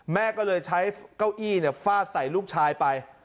แม่ก็เลยใช้เก้าอี้ฟาดใส่ลูกชายไป